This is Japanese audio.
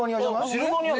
シルバニア